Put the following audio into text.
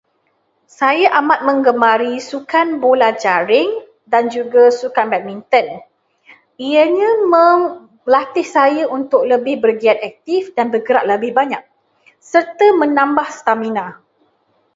Saya amat menggemari sukan bola jaring dan juga sukan badminton. Ianya melatih saya bergiat lebih aktif dan banyak bergerak, serta menambah stamina.